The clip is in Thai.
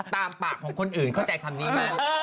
ตามปากของคนอื่นเข้าใจคำนี้ไหม